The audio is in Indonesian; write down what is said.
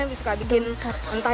untuk bina meja musim fruits ya ya